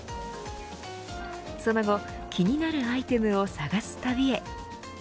その後気になるアイテムを探す旅へ。